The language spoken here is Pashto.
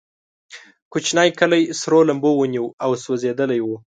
کوچنی کلی سرو لمبو ونیو او سوځېدلی و.